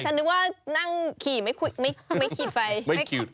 ฉันนึกว่านั่งขี่ไม่ขีดไฟ